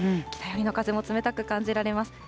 北寄りの風も冷たく感じられます。